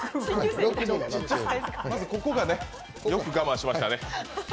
まずここがね、よく我慢しましたね。